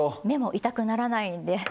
目も痛くならないんで。